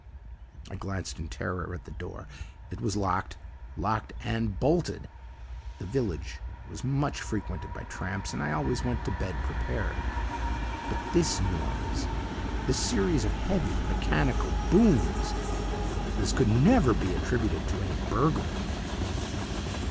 "I glanced in terror at the door it was locked locked and BOLTED the village was much frequented by tramps, and I always went to bed prepared. "But this noise this series of heavy, mechanical booms THIS could never be attributed to any burglar!